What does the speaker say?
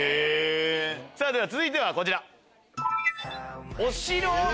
では続いてはこちら。